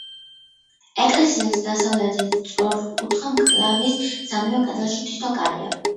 ეკლესიის დასავლეთის სწორკუთხა მკლავის სამივე კედელში თითო კარია.